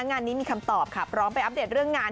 งานนี้มีคำตอบค่ะพร้อมไปอัปเดตเรื่องงาน